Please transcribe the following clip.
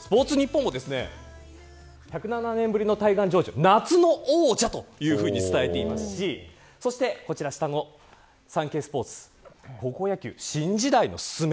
スポーツニッポンも１０７年ぶりの大願成就夏の王者というふうに伝えていますしそしてこちら、下のサンケイスポーツ高校野球新時代のススメ